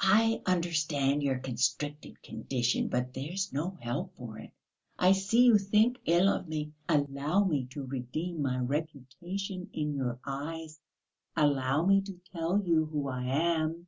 "I understand your constricted condition, but there's no help for it. I see you think ill of me. Allow me to redeem my reputation in your eyes, allow me to tell you who I am.